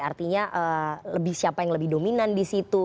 artinya siapa yang lebih dominan disitu